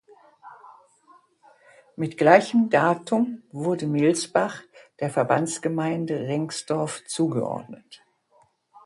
Mit gleichem Datum wurde Melsbach der Verbandsgemeinde Rengsdorf zugeordnet.